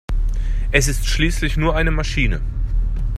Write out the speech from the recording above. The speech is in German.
Es ist schließlich nur eine Maschine!